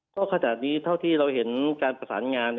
ก็ขนาดนี้เท่าที่เราเห็นการประสานงาน